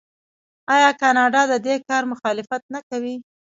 آیا کاناډا د دې کار مخالفت نه کوي؟